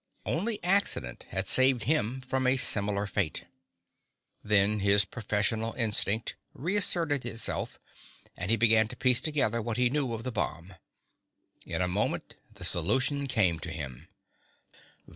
Only accident had saved him from a similar fate. Then his professional instinct re asserted itself, and he began to piece together what he knew of the bomb. In a moment the solution came to him.